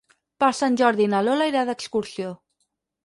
Per Sant Jordi na Lola irà d'excursió.